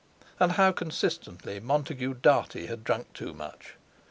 And how consistently Montague Dartie had drunk too much.